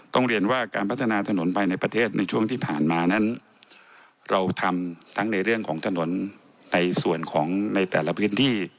เรียนว่าการพัฒนาถนนไปในประเทศในช่วงที่ผ่านมานั้นเราทำทั้งในเรื่องของถนนในส่วนของในแต่ละพื้นที่